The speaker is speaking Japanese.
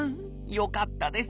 よかったです！